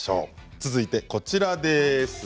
続いて、こちらです。